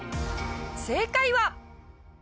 正解は。